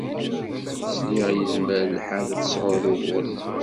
Sliɣ yezmer lḥal ad tesɛud uguren.